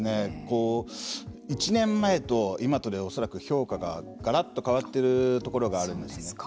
１年前と今とで恐らく評価ががらっと変わってるところがあるんですね。